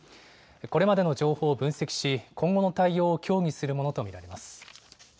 これまでの情報を分析し今後の対応を協議するものと見られます。